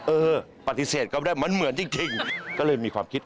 เออปฏิเสธก็ไม่ได้มันเหมือนจริงก็เลยมีความคิด